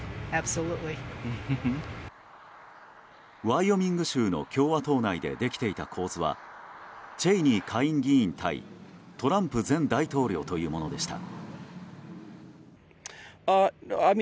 ワイオミング州の共和党内でできていた構図はチェイニー下院議員対トランプ前大統領というものでした。